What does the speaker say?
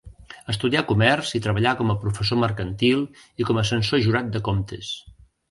Estudià comerç i treballà com a professor mercantil i com a censor jurat de comptes.